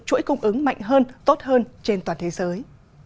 chuỗi cung ứng mạnh hơn tốt hơn trên toàn thế giới